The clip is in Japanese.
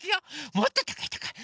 もっとたかいたかい。